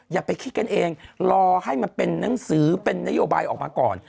อย่าไปคิดกันเองรอให้มันเป็นหนังสือเป็นนโยบายออกมาก่อน